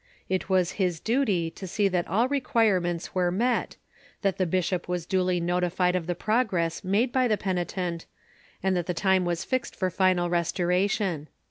It was his duty to see that all requirements were met, that the bishop was duly notified of the progress made by the peni tent, and that the time Avas fixed for final restoration.